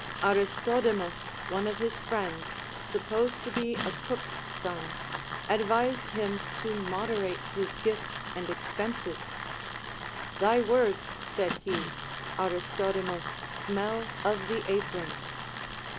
Aristodemus, one of his friends, supposed to be a cook's son, advised him to moderate his gifts and expenses. Thy Λvords, said he, Aristodemus, smell of the apron.